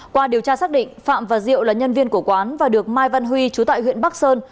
qua điều tra xác định phạm và diệu là nhân viên của quán và được mai văn huy chú tại huyện bắc sơn